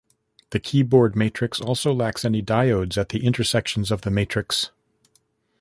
The keyboard matrix also lacks any diodes at the intersections of the matrix.